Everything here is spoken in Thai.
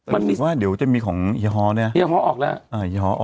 มันมีว่าเดี๋ยวจะมีของเฮียฮอร์เนี่ยอ่ะเฮียฮอร์ออกไหน